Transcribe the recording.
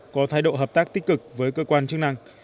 có thái độ hợp tác tích cực với cơ quan chức năng